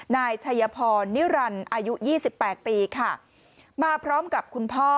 นายชัยพรนิรันดิ์อายุ๒๘ปีค่ะมาพร้อมกับคุณพ่อ